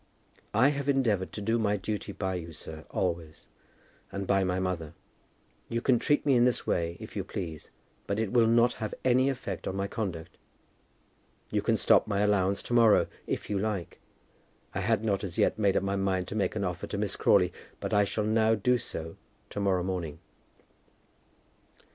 "I have endeavoured to do my duty by you, sir, always; and by my mother. You can treat me in this way, if you please, but it will not have any effect on my conduct. You can stop my allowance to morrow, if you like it. I had not as yet made up my mind to make an offer to Miss Crawley, but I shall now do so to morrow morning."